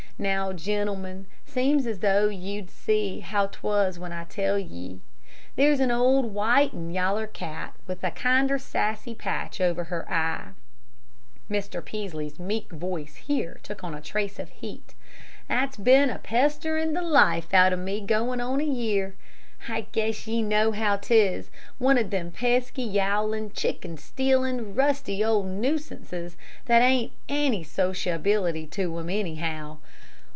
"Now, gentlemen, seems as though you'd see how 't was when I tell ye. There's an old white and yaller cat, with a kinder sassy patch over her eye," Mr. Peaslee's meek voice here took on a trace of heat, "that's been a pesterin' the life out o' me goin' on a year. I guess ye know how 't is one of them pesky, yowlin', chicken stealin', rusty old nuisances that hain't any sociability to 'em, anyhow.